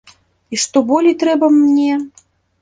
І што болей трэба мне?